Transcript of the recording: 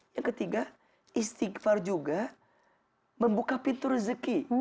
yang ketiga istighfar juga membuka pintu rezeki